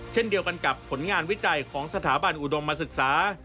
เช่นเดียวกันกับผลงานวิจัยของสถาบันอุดมศึกษา